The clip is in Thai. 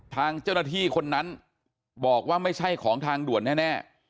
ทางเจ้าหน้าที่คนนั้นบอกว่าไม่ใช่ของทางด่วนแน่